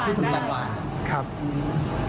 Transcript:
รวบเลยรวบคนที่ทำความผิดที่ถุงจังหวานได้ค่ะ